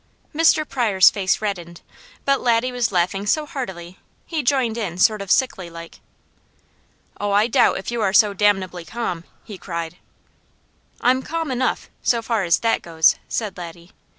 Mr. Pryor's face reddened, but Laddie was laughing so heartily he joined in sort of sickly like. "Oh I doubt if you are so damnably calm!" he cried. "I'm CALM enough, so far as that goes," said Laddie.